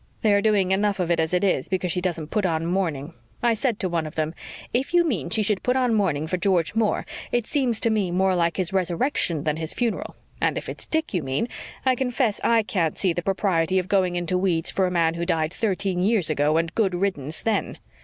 They are doing enough of it as it is, because she doesn't put on mourning. I said to one of them, 'If you mean she should put on mourning for George Moore, it seems to me more like his resurrection than his funeral; and if it's Dick you mean, I confess I can't see the propriety of going into weeds for a man who died thirteen years ago and good riddance then!'